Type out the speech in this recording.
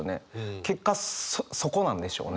結果そこなんでしょうね。